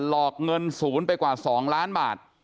หลอกเงินศูนย์ไปกว่า๒ล้านบาท